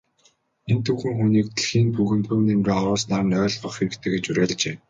Энэ түүхэн хүнийг дэлхийн түүхэнд хувь нэмрээ оруулснаар нь ойлгох хэрэгтэй гэж уриалжээ.